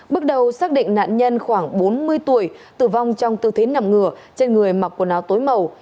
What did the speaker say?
bước đầu xác định nạn nhân khoảng bốn mươi tuổi tử vong trong tư thế nằm ngửa trên người mặc quần áo tối màu